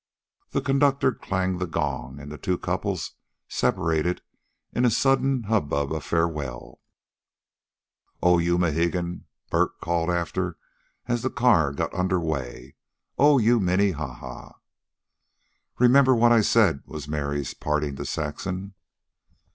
The conductor clanged the gong, and the two couples separated in a sudden hubbub of farewell. "Oh, you Mohegan!" Bert called after, as the car got under way. "Oh, you Minnehaha!" "Remember what I said," was Mary's parting to Saxon.